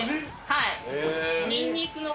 はい。